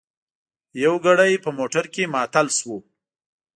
یو ګړی په موټر کې معطل شوو.